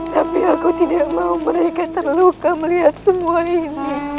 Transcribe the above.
tapi aku tidak mau mereka terluka melihat semua ini